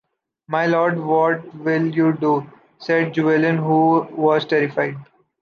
My Lord! What will you do? said Julien, who was terrified.